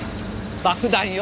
爆弾よ。